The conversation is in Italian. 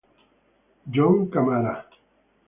John Kamara